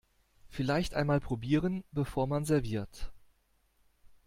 Vielleicht einmal probieren, bevor man serviert.